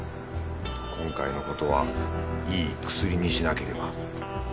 今回のことはいい薬にしなければ。